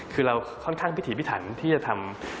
คือเราค่อนข้างพิถีพิถันที่จะทำ